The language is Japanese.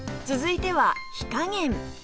続いては火加減